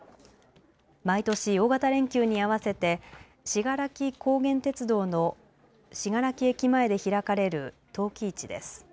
毎年、大型連休に合わせて信楽高原鉄道の信楽駅前で開かれる陶器市です。